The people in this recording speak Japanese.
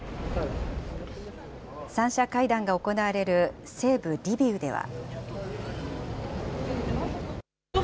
三者会談が行われる西部リビウでは。